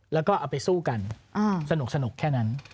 แล้วก็เอาไปสู้กันสนุกแค่นั้น